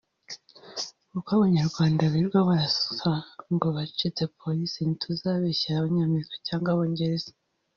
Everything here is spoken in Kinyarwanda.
Kuko Abanyarwanda birwa baraswa ngo bacitse polisi ntituzabeshyera Abanyamerika cyangwa Abongereza